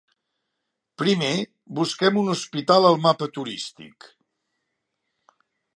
Primer busquem un hospital al mapa turístic.